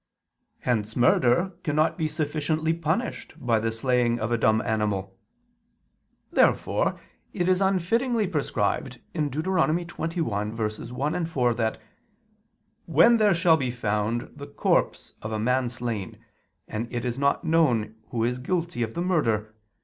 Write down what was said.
Hence murder cannot be sufficiently punished by the slaying of a dumb animal. Therefore it is unfittingly prescribed (Deut. 21:1, 4) that "when there shall be found ... the corpse of a man slain, and it is not known who is guilty of the murder